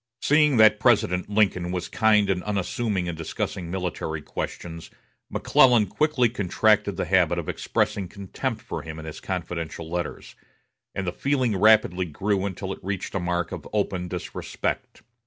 Seeing that President Lincoln was kind and unassuming in discussing military questions, McClellan quickly contracted the habit of expressing contempt for him in his confidential letters; and the feeling rapidly grew until it reached a mark of open disrespect.